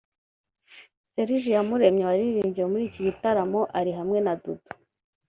Serge Iyamuremye (waririmbye muri iki gitaramo ari hamwe na Dudu)